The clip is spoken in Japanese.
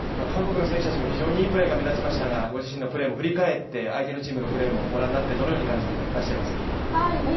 韓国の選手たちも非常にいいプレーが目立ちましたがご自身のプレーも振り返って相手のチームのプレーもご覧になってどのように感じていらっしゃいますか？